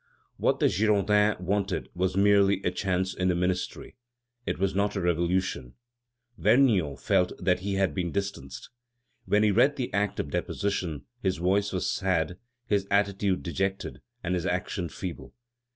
What the Girondins wanted was merely a change in the ministry; it was not a revolution. Vergniaud felt that he had been distanced. When he read the act of deposition, his voice was sad, his attitude dejected, and his action feeble.